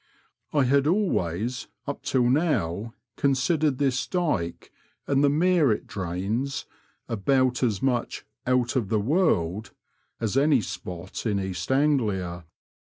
I had always, up till now, considered this dyke and the mere it drains about as much "out of the world" as any spot in East Anglia.